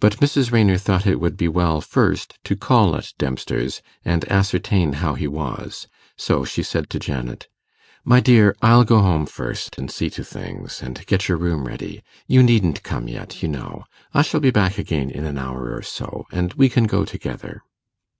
But Mrs. Raynor thought it would be well first to call at Dempster's, and ascertain how he was: so she said to Janet, 'My dear, I'll go home first, and see to things, and get your room ready. You needn't come yet, you know. I shall be back again in an hour or so, and we can go together.